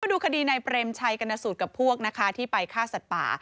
ดูคดีในเปรมชัยกรณสูตรกับพวกนะคะที่ไปฆ่าสัตว์ป่า